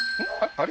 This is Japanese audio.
あれ？